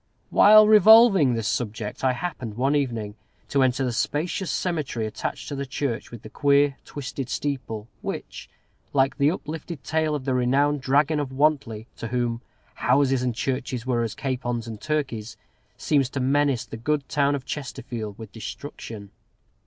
While revolving this subject, I happened, one evening, to enter the spacious cemetery attached to the church with the queer, twisted steeple, which, like the uplifted tail of the renowned Dragon of Wantley, to whom "houses and churches were as capons and turkeys," seems to menace the good town of Chesterfield with destruction.